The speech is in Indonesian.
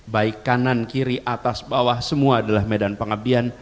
baik kanan kiri atas bawah semua adalah medan pengabdian